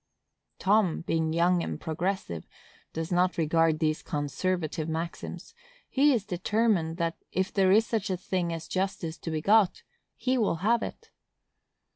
Tom, being young and progressive, does not regard these conservative maxims; he is determined that, if there is such a thing as justice to be got, he will have it.